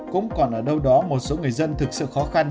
cũng còn ở đâu đó một số người dân thực sự khó khăn